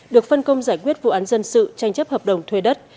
được phân công giải quyết vụ án dân sự tranh chấp hợp đồng thuê đất